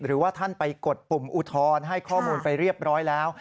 หรือว่าท่านไปกดปุ่มอุทธรณ์ให้ข้อมูลไปเรียบร้อยแล้ว